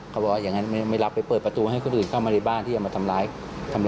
เขาบอกว่าอย่างนั้นไม่รับไปเปิดประตูให้คนอื่นเข้ามาในบ้านที่จะมาทำร้าย